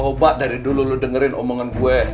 coba dari dulu lo dengerin omongan gue